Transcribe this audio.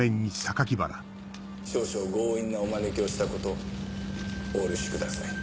少々強引なお招きをしたことお許しください。